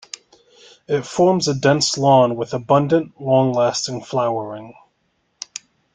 It forms a dense lawn with abundant, long-lasting flowering.